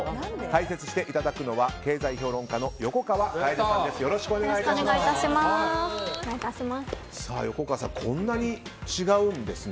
解説していただくのは経済評論家の横川楓さんです。